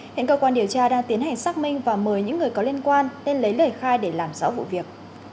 hiện cơ quan điều tra đang tiến hành xác minh và mời những người có liên quan lên lấy lời khai để làm rõ vụ việc